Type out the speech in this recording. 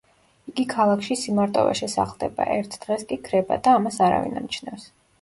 იგი ქალაქში სიმარტოვეში სახლდება, ერთ დღეს კი ქრება და ამას არავინ ამჩნევს.